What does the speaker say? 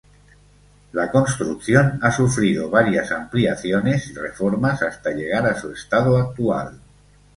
La construcción ha sufrido varias ampliaciones y reformas hasta llegar a su estado actual.